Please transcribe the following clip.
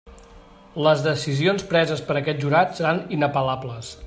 Les decisions preses per aquest jurat seran inapel·lables.